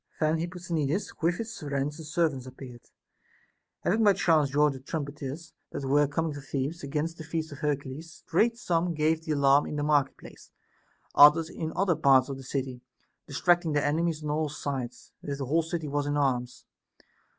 Then Ilipposthenides with his friends and servants appeared, having by chance joined the trumpeters that were coming to Thebes, against the feast of Hercules. Straight some gave the alarm in the market place, others in other parts of the city, distract ing their enemies on all sides, as if the whole city was in arms.